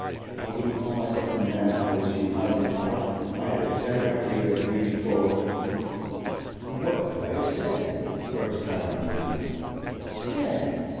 I wouldn't call myself a man if I was you, Hiram Powlett. I had a better idea of you before." "What could I have said?" urged Hiram, feebly. "Said?"